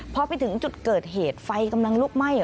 พอไปถึงจุดเกิดเหตุไฟกำลังลุกไหม้